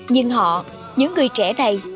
nhưng họ những người trẻ này